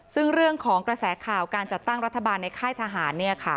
ซึ่งเรื่องของกระแสข่าวการจัดตั้งรัฐบาลในค่ายทหาร